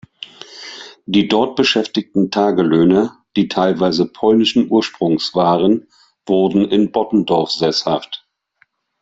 Die dort beschäftigten Tagelöhner, die teilweise polnischen Ursprungs waren, wurden in Bottendorf sesshaft.